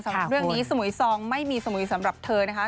เรื่องนี้สมุยซองไม่มีสมุยสำหรับเธอนะคะ